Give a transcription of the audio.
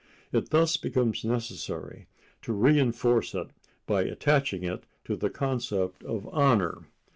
It thus becomes necessary to reënforce it by attaching to it the concept of honor.